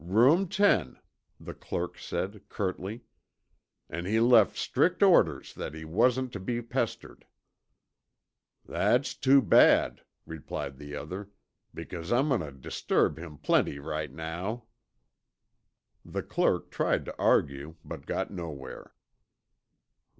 "Room ten," the clerk said curtly, "an' he left strict orders that he wasn't tuh be pestered." "That's too bad," replied the other, "because I'm going tuh disturb him plenty right now." The clerk tried to argue but got nowhere.